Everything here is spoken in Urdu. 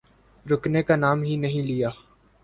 رکنے کا نام ہی نہیں لیا۔